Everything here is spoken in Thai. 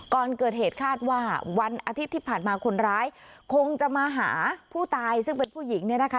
ก่อนเกิดเหตุคาดว่าวันอาทิตย์ที่ผ่านมาคนร้ายคงจะมาหาผู้ตายซึ่งเป็นผู้หญิงเนี่ยนะคะ